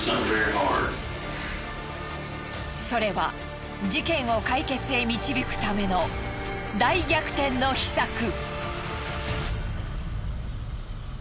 それは事件を解決へ導くための大逆転の秘策。